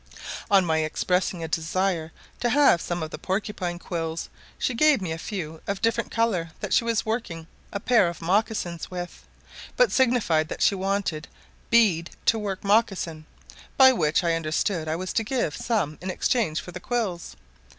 On my expressing a desire to have some of the porcupine quills, she gave me a few of different colour that she was working a pair of mocassins with, but signified that she wanted "'bead' to work mocsin," by which I understood I was to give some in exchange for the quills.